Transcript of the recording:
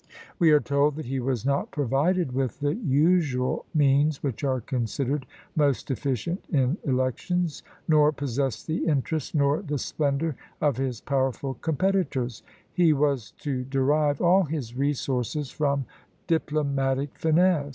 We are told that he was not provided with the usual means which are considered most efficient in elections, nor possessed the interest nor the splendour of his powerful competitors: he was to derive all his resources from diplomatic finesse.